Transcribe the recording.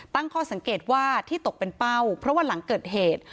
ตั้งข้อสังเกตว่าที่ตกเป็นเป้าเพราะว่าหลังเกิดเหตุ